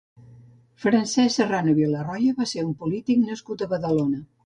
Francesc Serrano Villarroya va ser un polític nascut a Badalona.